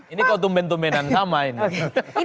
ini kok tumben tumbenan sama ini